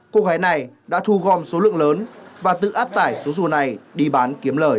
cô gái này đã thu gom số lượng lớn và tự áp tải số rùa này đi bán kiếm lời